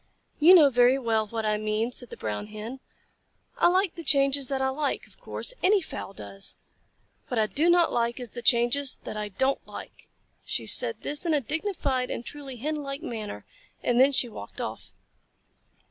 "You know very well what I mean," said the Brown Hen. "I like the changes that I like, of course. Any fowl does. What I do not like is the changes that I don't like." She said this in a dignified and truly Hen like manner, and then she walked off.